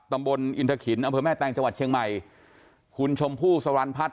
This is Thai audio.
ตำบลอินทะขินอำเภอแม่แตงจังหวัดเชียงใหม่คุณชมพู่สรรพัฒน